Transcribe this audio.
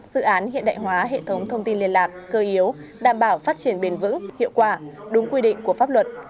dự án hiện đại hóa hệ thống thông tin liên lạc cơ yếu đảm bảo phát triển bền vững hiệu quả đúng quy định của pháp luật